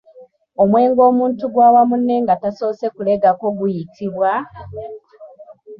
Omwenge omuntu gw'awa munne nga tasoose kulegako guyitibwa?